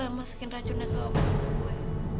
yang masukin racunnya ke obatnya gue